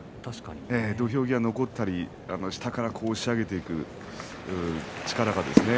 土俵際残ったり、下から押し上げていく力がですね